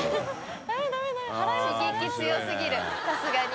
刺激強すぎるさすがに。